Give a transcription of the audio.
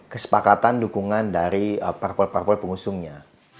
kesepakatan dukungan dari parpol parpol pengusungnya